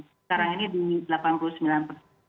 sekarang ini di delapan puluh sembilan persen